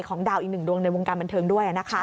ดาวอีกหนึ่งดวงในวงการบันเทิงด้วยนะคะ